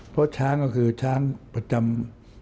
เพราะช้างก็คือช้างประจำ